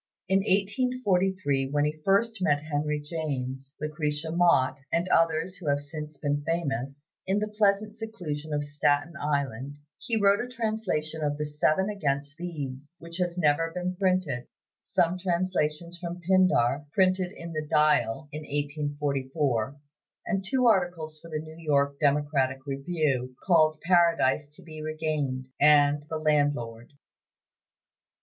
In 1843, when he first met Henry James, Lucretia Mott, and others who have since been famous, in the pleasant seclusion of Staten Island, he wrote a translation of the "Seven Against Thebes," which has never been printed, some translations from Pindar, printed in the "Dial," in 1844, and two articles for the New York "Democratic Review," called "Paradise to be Regained," and "The Landlord."